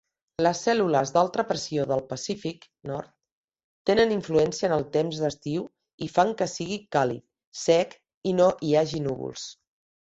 Les cèl·lules d'alta pressió del Pacífic Nord tenen influència en el temps d'estiu i fan que sigui càlid, sec i no hi hagi núvols.